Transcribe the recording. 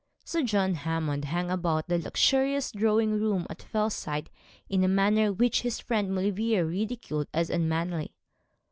So John Hammond hung about the luxurious drawing room at Fellside in a manner which his friend Maulevrier ridiculed as unmanly.